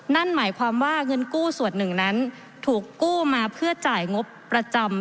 นั่นหมายความว่าเงินกู้ส่วนหนึ่งนั้นถูกกู้มาเพื่อจ่ายงบประจำ